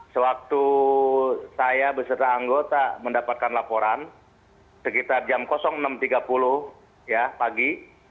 ya waktu saya berserta anggota mendapatkan laporan sekitar jam enam tiga puluh pagi